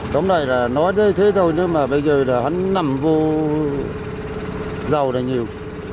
tóm lại là nói thế thôi nếu mà bây giờ là hắn nằm vô dầu là nhiều